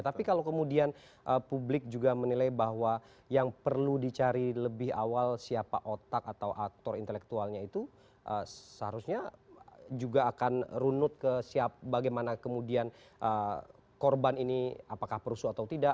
tapi kalau kemudian publik juga menilai bahwa yang perlu dicari lebih awal siapa otak atau aktor intelektualnya itu seharusnya juga akan runut ke siapa bagaimana kemudian korban ini apakah perusuh atau tidak